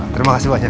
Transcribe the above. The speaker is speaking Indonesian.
terima kasih banyak